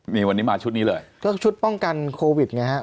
นี่วันนี้มาชุดนี้เลยก็ชุดป้องกันโควิดไงฮะ